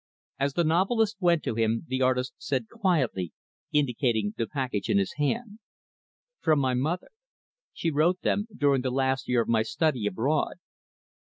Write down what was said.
As the novelist went to him, the artist said quietly, indicating the package in his hand, "From my mother. She wrote them during the last year of my study abroad."